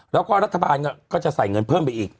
แล้วก็รัฐบาลก็จะใส่เงินเพิ่มไปอีก